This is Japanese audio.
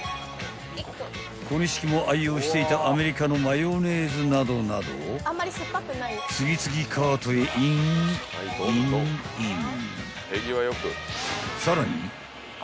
［ＫＯＮＩＳＨＩＫＩも愛用していたアメリカのマヨネーズなどなど次々カートへインインイン］